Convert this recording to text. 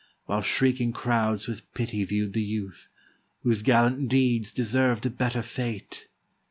While shrieking crowds with pity view'd the youth, Whose gallant deeds deserved a better fate.